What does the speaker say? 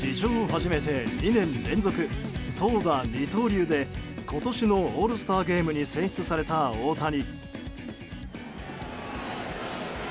初めて２年連続投打二刀流で今年のオールスターゲームに選出された大谷。